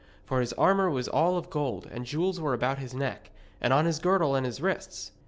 For his armour was all of gold, and jewels were about his neck, and on his girdle and his wrists.